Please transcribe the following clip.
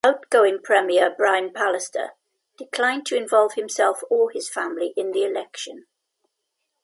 Outgoing premier Brian Pallister declined to involve himself or his family in the election.